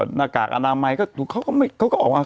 หน้ากากอนามัยก็ดูเขาก็ออกมา